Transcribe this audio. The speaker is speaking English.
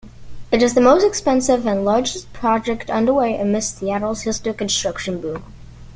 It is the most expensive and largest project underway amidst Seattle's historic construction boom.